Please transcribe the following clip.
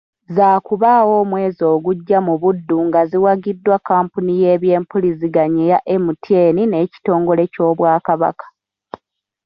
Zaakubaawo omwezi ogujja mu Buddu nga ziwagiddwa kkampuni y’ebyempuliziganya eya MTN n’ekitongole ky’Obwakabaka .